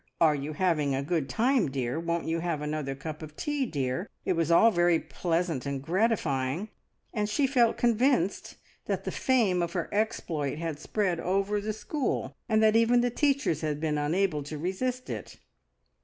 "Are you having a good tea, dear?" "Won't you have another cup of tea, dear?" It was all very pleasant and gratifying, and she felt convinced that the fame of her exploit had spread over the school, and that even the teachers had been unable to resist it.